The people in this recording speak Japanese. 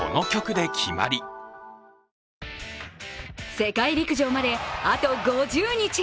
世界陸上まであと５０日。